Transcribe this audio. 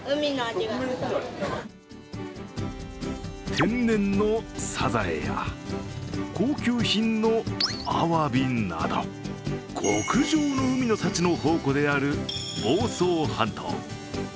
天然のさざえや、高級品のあわびなど極上の海の幸の宝庫である房総半島。